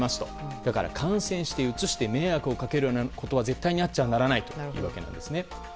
だから感染して、うつして迷惑をかけるようなことは絶対にあってはならないというわけなんですね。